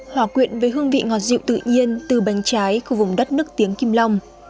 hòa quyện với hương vị ngọt rượu tự nhiên từ bánh trái của vùng đất nước tiếng kim long